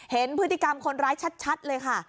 เห็นพฤติกรรมคนร้ายชัดเลยค่ะ